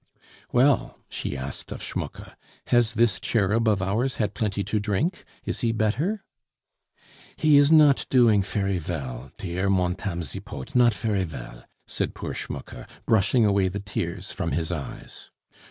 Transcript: "Well?" she asked of Schmucke, "has this cherub of ours had plenty to drink? Is he better?" "He is not doing fery vell, tear Montame Zipod, not fery vell," said poor Schmucke, brushing away the tears from his eyes.